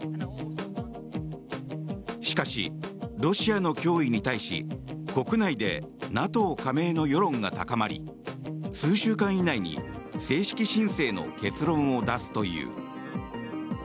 しかし、ロシアの脅威に対し国内でＮＡＴＯ加盟の世論が高まり数週間以内に正式申請の結論を出すという。